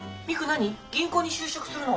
なに銀行に就職するの？